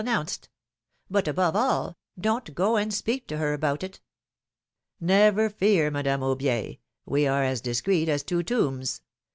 announced. But above all, don't go and speak to her about it." Never fear, Madame Aubier : we are as discreet as two tombs.